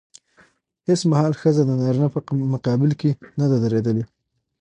هېڅ مهال ښځه د نارينه په مقابل کې نه ده درېدلې.